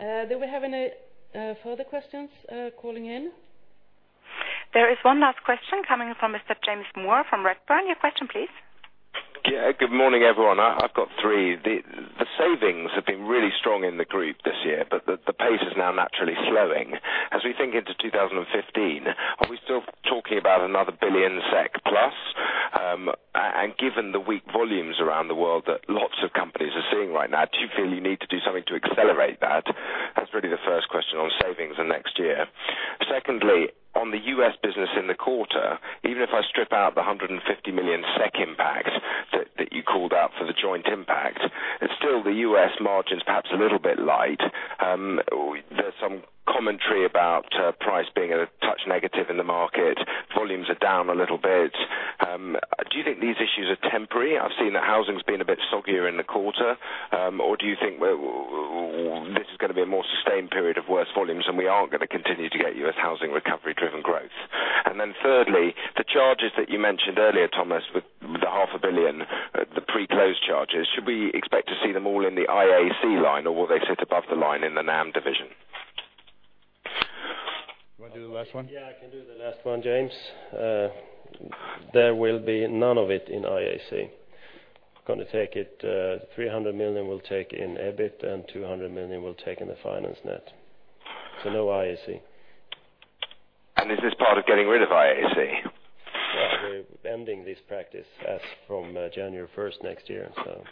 Do we have any further questions calling in? There is one last question coming from Mr. James Moore from Redburn. Your question, please. Yeah, good morning, everyone. I've got three. The savings have been really strong in the group this year, but the pace is now naturally slowing. As we think into 2015, are we still talking about another 1+ billion SEK? Given the weak volumes around the world that lots of companies are seeing right now, do you feel you need to do something to accelerate that? That's really the first question on savings the next year. Secondly, on the U.S. business in the quarter, even if I strip out the 150 million SEK impact that you called out for the joint impact, it's still the U.S. margin's perhaps a little bit light. There's some commentary about price being a touch negative in the market. Volumes are down a little bit. Do you think these issues are temporary? I've seen that housing's been a bit soggier in the quarter. Or do you think this is gonna be a more sustained period of worse volumes, and we aren't gonna continue to get U.S. housing recovery-driven growth? Thirdly, the charges that you mentioned earlier, Tomas, with the half a billion, the pre-close charges, should we expect to see them all in the IAC line, or will they sit above the line in the NAM division? You want to do the last one? Yeah, I can do the last one, James. There will be none of it in IAC. Gonna take it, 300 million we'll take in EBIT, and 200 million we'll take in the finance net. No IAC. Is this part of getting rid of IAC? Yeah, we're ending this practice as from, January first next year, so. Okay.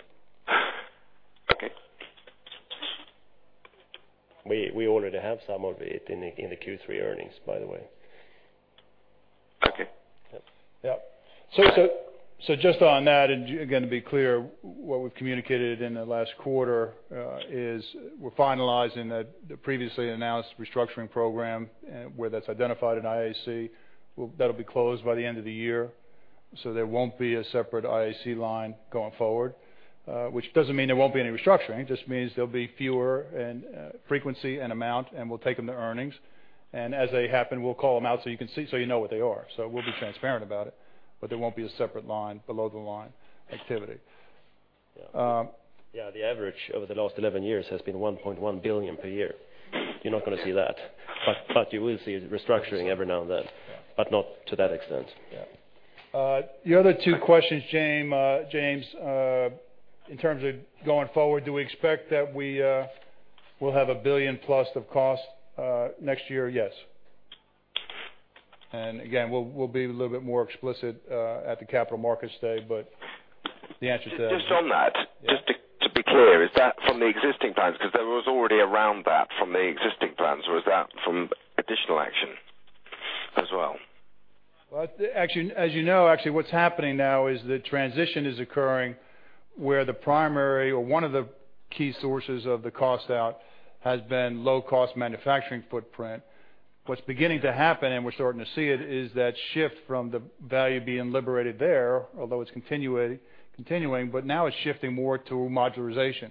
We already have some of it in the Q3 earnings, by the way. Okay. Yep. Yep. Just on that, and again, to be clear, what we've communicated in the last quarter, is we're finalizing the previously announced restructuring program, where that's identified in IAC. Well, that'll be closed by the end of the year, so there won't be a separate IAC line going forward, which doesn't mean there won't be any restructuring. Just means there'll be fewer in frequency and amount, and we'll take them to earnings. As they happen, we'll call them out so you can see, so you know what they are. We'll be transparent about it, but there won't be a separate line below the line activity. Yeah. Um- Yeah, the average over the last 11 years has been 1.1 billion per year. You're not gonna see that, but you will see restructuring every now and then. Yeah But not to that extent. Yeah. The other two questions, James, in terms of going forward, do we expect that we will have 1+ billion of cost next year? Yes. Again, we'll be a little bit more explicit at the Capital Markets Day, but the answer is yes. Just on that... Yeah. Just to be clear, is that from the existing plans? Because there was already around that from the existing plans, or is that from additional action as well? Actually, as you know, actually, what's happening now is the transition is occurring where the primary or one of the key sources of the cost out has been low-cost manufacturing footprint. What's beginning to happen, and we're starting to see it, is that shift from the value being liberated there, although it's continuing, but now it's shifting more to modularization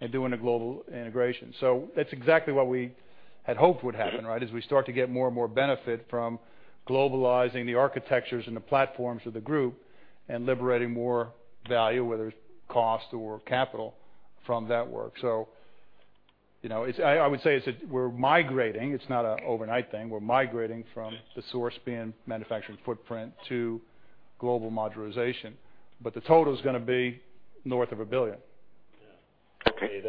and doing a global integration. That's exactly what we had hoped would happen, right? As we start to get more and more benefit from globalizing the architectures and the platforms of the group and liberating more value, whether it's cost or capital, from that work. You know, it's... I would say it's, we're migrating. It's not an overnight thing. We're migrating from the source being manufacturing footprint to global modularization, but the total is gonna be north of 1 billion. Yeah. Okay.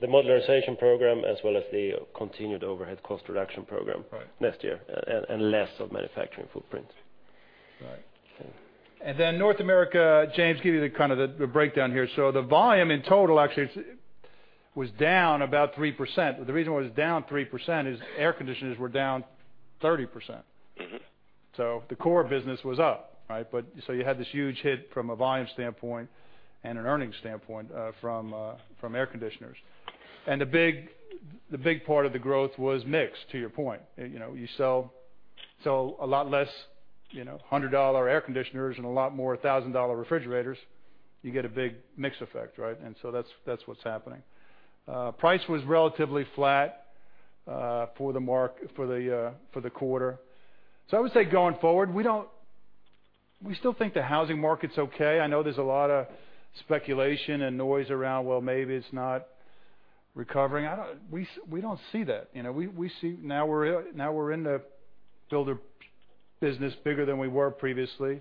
The modularization program, as well as the continued overhead cost reduction program. Right Next year, and less of manufacturing footprint. Right. So. North America, James, give you the kind of the breakdown here. The volume in total actually was down about 3%. The reason why it's down 3% is air conditioners were down 30%. Mm-hmm. The core business was up, right? You had this huge hit from a volume standpoint and an earnings standpoint, from air conditioners. The big part of the growth was mix, to your point. You know, you sell a lot less, you know, $100 air conditioners and a lot more $1,000 refrigerators, you get a big mix effect, right? That's, that's what's happening. Price was relatively flat, for the mark- for the quarter. I would say going forward, we still think the housing market's okay. I know there's a lot of speculation and noise around, well, maybe it's not recovering. We don't see that. You know, we see now we're in the builder business bigger than we were previously.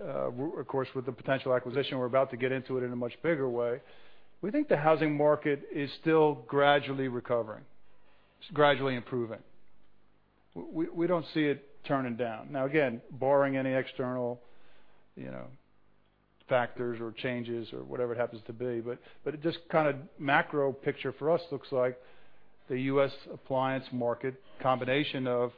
Of course, with the potential acquisition, we're about to get into it in a much bigger way. We think the housing market is still gradually recovering. It's gradually improving. We don't see it turning down. Again, barring any external, you know, factors or changes or whatever it happens to be, but it just kind of macro picture for us looks like the U.S. appliance market, combination of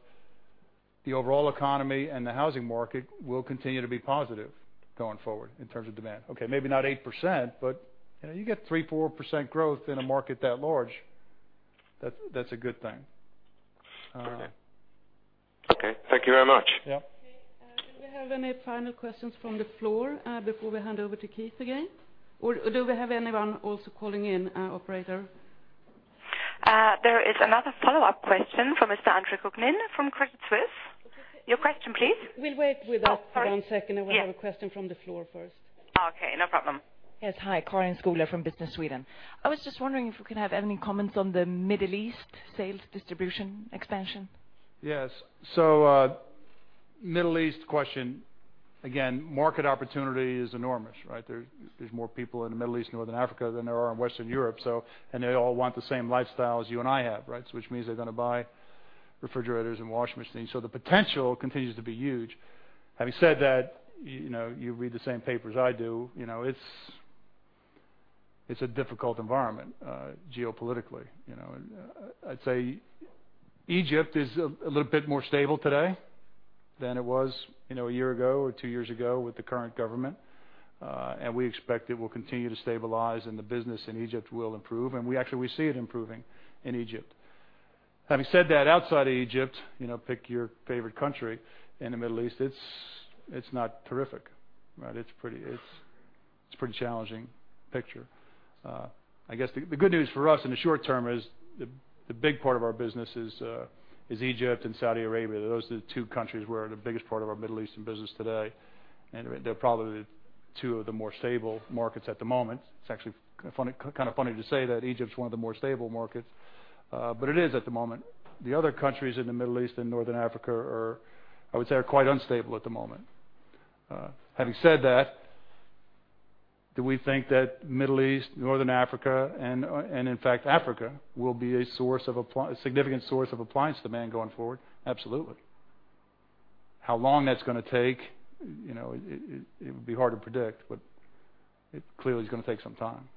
the overall economy and the housing market, will continue to be positive going forward in terms of demand. Maybe not 8%, but, you know, you get 3%-4% growth in a market that large, that's a good thing. Okay. Thank you very much. Yeah. Okay. Do we have any final questions from the floor, before we hand over to Keith again? Do we have anyone also calling in, operator? There is another follow-up question from Mr. Andre Mocciola from Credit Suisse. Your question, please. We'll wait with that. Oh, sorry. 1 second. Yes. I have a question from the floor first. Okay, no problem. Hi, Kari Rinta from Business Sweden. I was just wondering if we could have any comments on the Middle East sales distribution expansion? Yes. Middle East question, again, market opportunity is enormous, right? There's more people in the Middle East, Northern Africa, than there are in Western Europe. They all want the same lifestyle as you and I have, right? Which means they're gonna buy refrigerators and washing machines, so the potential continues to be huge. Having said that, you know, you read the same paper as I do, you know, it's a difficult environment, geopolitically. I'd say Egypt is a little bit more stable today than it was, you know, one year ago or two years ago with the current government, and we expect it will continue to stabilize and the business in Egypt will improve, and we actually, we see it improving in Egypt. Having said that, outside of Egypt, you know, pick your favorite country in the Middle East, it's not terrific, right? It's a pretty challenging picture. I guess the good news for us in the short term is the big part of our business is Egypt and Saudi Arabia. Those are the two countries where the biggest part of our Middle Eastern business today, and they're probably two of the more stable markets at the moment. It's actually funny, kind of funny to say that Egypt is one of the more stable markets, but it is at the moment. The other countries in the Middle East and Northern Africa are, I would say, are quite unstable at the moment. Having said that, do we think that Middle East, Northern Africa, and in fact, Africa, will be a source of a significant source of appliance demand going forward? Absolutely. How long that's gonna take? You know, it would be hard to predict, but it clearly is gonna take some time.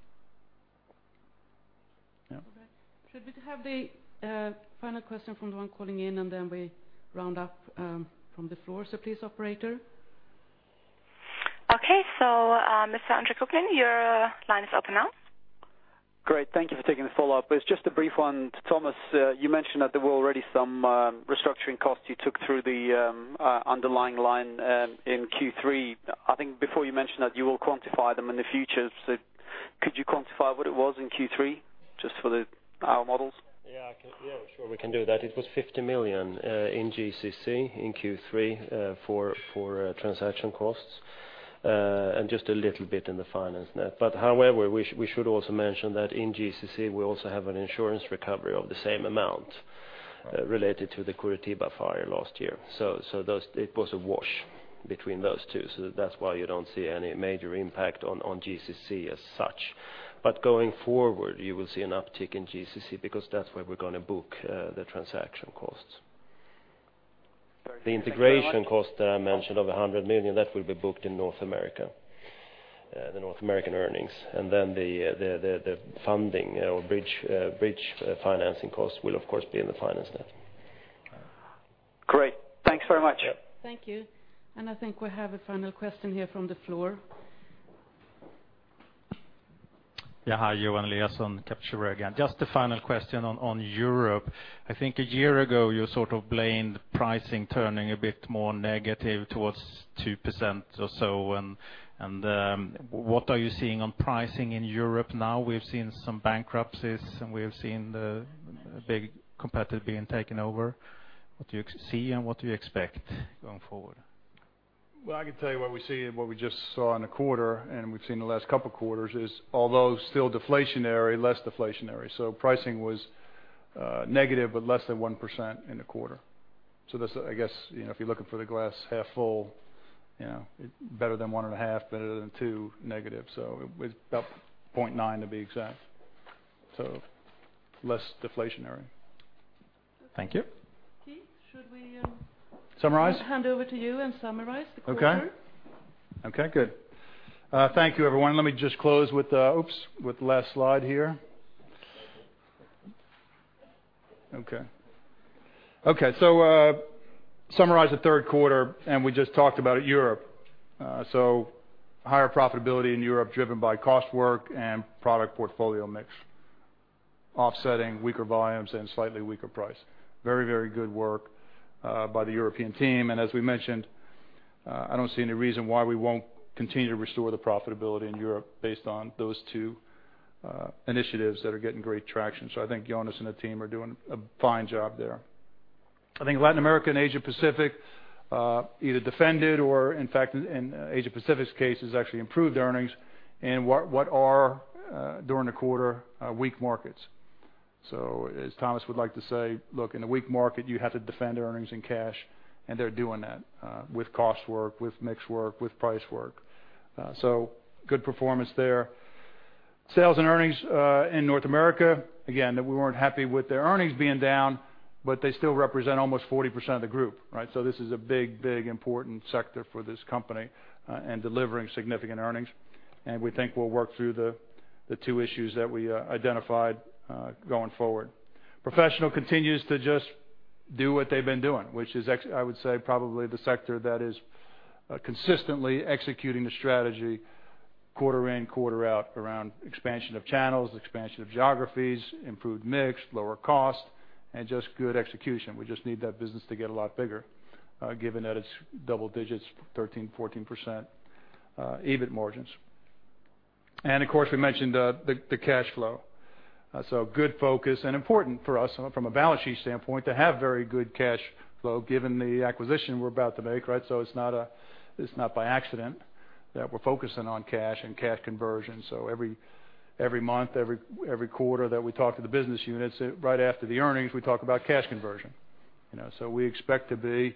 Yeah. Okay. Should we have the final question from the one calling in, and then we round up from the floor? Please, operator. Mr. Andre Mocciola, your line is open now. Great, thank you for taking the follow-up. It's just a brief one. Tomas, you mentioned that there were already some restructuring costs you took through the underlying line in Q3. I think before you mentioned that you will quantify them in the future. Could you quantify what it was in Q3, just for the, our models? Sure, we can do that. It was 50 million in GCC, in Q3, for transaction costs, and just a little bit in the finance net. However, we should also mention that in GCC, we also have an insurance recovery of the same amount related to the Curitiba fire last year. It was a wash between those two, so that's why you don't see any major impact on GCC as such. Going forward, you will see an uptick in GCC because that's where we're gonna book the transaction costs. Sorry- The integration cost that I mentioned of 100 million, that will be booked in North America, the North American earnings, and then the funding or bridge financing costs will, of course, be in the finance net. Great. Thanks very much. Thank you. I think we have a final question here from the floor. Hi, Johan Eliason, Kepler Cheuvreux again. Just a final question on Europe. I think a year ago, you sort of blamed pricing turning a bit more negative towards 2% or so, and what are you seeing on pricing in Europe now? We've seen some bankruptcies, and we have seen the big competitor being taken over. What do you see and what do you expect going forward? Well, I can tell you what we see and what we just saw in the quarter, and we've seen the last couple of quarters, is although still deflationary, less deflationary, so pricing was negative, but less than 1% in the quarter. That's, I guess, you know, if you're looking for the glass half full, you know, better than 1.5%, better than -2%, so it was about 0.9%, to be exact. Less deflationary. Thank you. Keith, should we? Summarize? Hand over to you and summarize the quarter? Okay, good. Thank you, everyone. Let me just close with the last slide here. Summarize the third quarter, we just talked about it, Europe. Higher profitability in Europe, driven by cost work and product portfolio mix, offsetting weaker volumes and slightly weaker price. Very good work by the European team. As we mentioned, I don't see any reason why we won't continue to restore the profitability in Europe based on those two initiatives that are getting great traction. I think Jonas and the team are doing a fine job there. I think Latin America and Asia Pacific either defended or, in fact, in Asia Pacific's case, has actually improved earnings, and what are during the quarter weak markets. As Tomas Eliasson would like to say, "Look, in a weak market, you have to defend earnings and cash," and they're doing that with cost work, with mix work, with price work. Good performance there. Sales and earnings in North America, again, that we weren't happy with their earnings being down, but they still represent almost 40% of the group, right? This is a big, important sector for this company and delivering significant earnings. We think we'll work through the two issues that we identified going forward. Professional continues to just do what they've been doing, which is I would say, probably the sector that is consistently executing the strategy quarter in, quarter out around expansion of channels, expansion of geographies, improved mix, lower cost, and just good execution. We just need that business to get a lot bigger, given that it's double digits, 13%-14% EBIT margins. Of course, we mentioned the cash flow. Good focus and important for us from a balance sheet standpoint, to have very good cash flow, given the acquisition we're about to make, right? It's not by accident that we're focusing on cash and cash conversion. Every month, every quarter that we talk to the business units, right after the earnings, we talk about cash conversion. You know, we expect to be,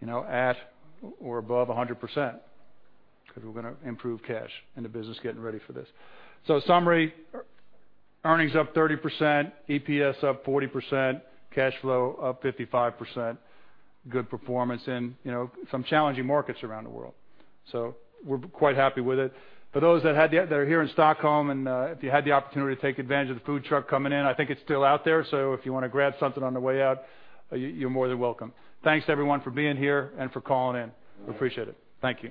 you know, at or above 100%, 'cause we're gonna improve cash in the business, getting ready for this. Summary, earnings up 30%, EPS up 40%, cash flow up 55%. Good performance in, you know, some challenging markets around the world. We're quite happy with it. For those that are here in Stockholm, and, if you had the opportunity to take advantage of the food truck coming in, I think it's still out there. If you wanna grab something on the way out, you're more than welcome. Thanks, everyone, for being here and for calling in. We appreciate it. Thank you.